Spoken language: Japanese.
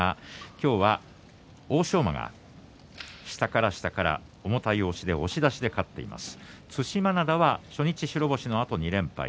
今日は欧勝馬が下から重たい押しで押し出しで勝っています。